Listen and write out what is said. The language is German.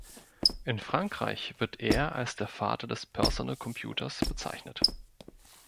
In Frankreich wird er als der Vater des Personal Computers bezeichnet.